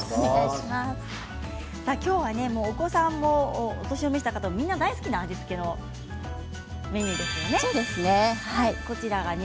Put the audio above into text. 今日はお子さんもお年を召した方もみんな大好きな味付けのメニューですね。